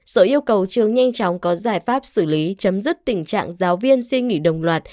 sở yêu cầu trường nhanh chóng có giải pháp xử lý chấm dứt tình trạng giáo viên xin nghỉ đồng loạt